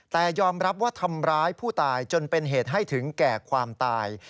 แต่ยอมรับว่าทำร้ายผู้ตายจนเป็นเหตุให้ถึงแก่ความตาย